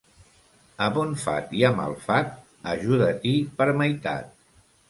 A bon fat i a mal fat, ajuda-t'hi per meitat.